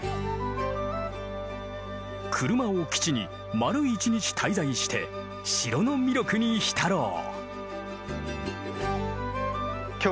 車を基地に丸一日滞在して城の魅力に浸ろう！